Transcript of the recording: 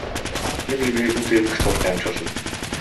Юм юмыг нүд ирмэх зуурт амжуулна.